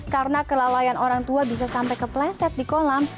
karena kelalaian orang tua bisa sampai kepleset di kolam